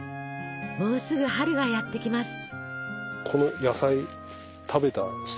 もうすぐ春がやって来ます。